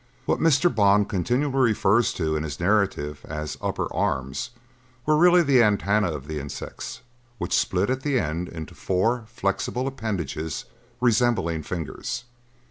What Mr. Bond continually refers to in his narrative as "upper arms" were really the antenna of the insects which split at the end into four flexible appendages resembling fingers.